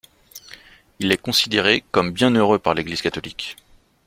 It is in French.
Il est considéré comme Bienheureux par l'Église Catholique.